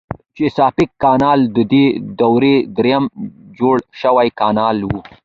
چیساپیک کانال ددې دورې دریم جوړ شوی کانال و.